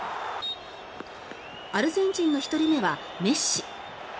アルゼンチンの１人目はメッシ。